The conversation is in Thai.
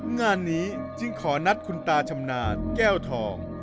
งานนี้จึงขอนัดคุณตาชำนาญแก้วทอง